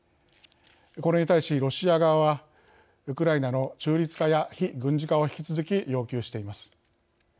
これに対しロシア側はウクライナの中立化や非軍事化を引き続き要求しています。